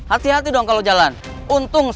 akhirnya nyala juga nih mobil